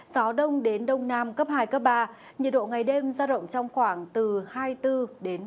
gió đông đến đông nam cấp hai ba nhiệt độ ngày đêm ra động trong khoảng hai mươi bốn ba mươi hai độ